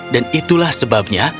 dan itulah sebabnya